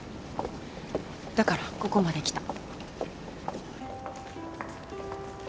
だからここまで来た。